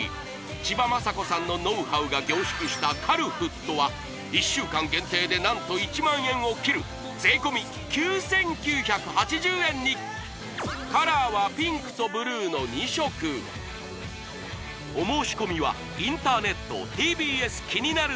千葉真子さんのノウハウが凝縮したカルフットは１週間限定で何と１万円を切る税込９９８０円にカラーはピンクとブルーの２色カルフット